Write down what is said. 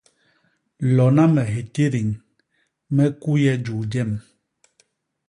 Lona me hitidiñ me kuye juu jem.